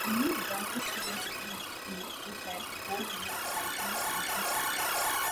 A new returnless fuel system was used which helped Ford meet tightening emission standards.